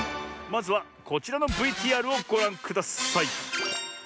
まずはこちらのＶＴＲをごらんください。